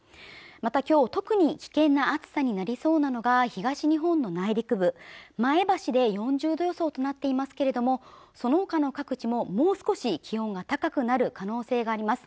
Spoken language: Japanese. また今日特に危険な暑さになりそうなのが東日本の内陸部前橋で４０度予想となっていますけれどもそのほかの各地ももう少し気温が高くなる可能性があります